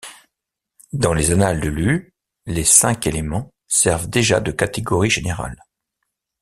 Dans les Annales de Lü, les Cinq éléments servent déjà de catégories générales.